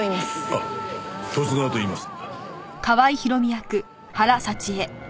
あっ十津川といいます。